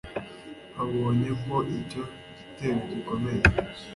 abonye ko icyo gitero gikomeye